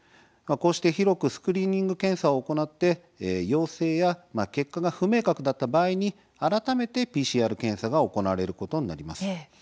広くスクリーニング検査を行って陽性や結果が不明確だった場合に改めてＰＣＲ検査が行われることになります。